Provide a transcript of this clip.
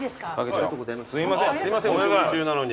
すいませんお食事中なのに。